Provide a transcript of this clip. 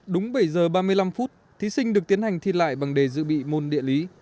đúng bảy giờ ba mươi năm phút thí sinh được tiến hành thi lại bằng đề dự bị môn địa lý